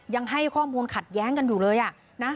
ยังให้ข้อมูลขัดแย้งกันอยู่เลยอ่ะนะ